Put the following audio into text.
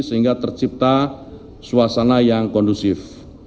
sehingga tercipta suasana yang kondusif